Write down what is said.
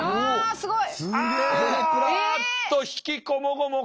すごい！